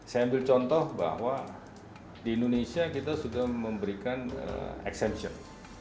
saya ambil contoh bahwa di indonesia kita sudah memberikan excemption